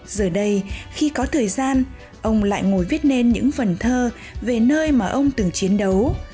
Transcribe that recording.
giờ đây khi có thời gian ông lại ngồi viết nên những vần thơ về nơi mà ông từng chiến đấu